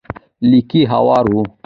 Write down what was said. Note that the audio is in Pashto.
ليکي هوار و.